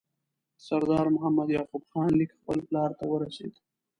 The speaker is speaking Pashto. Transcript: د سردار محمد یعقوب خان لیک خپل پلار ته ورسېد.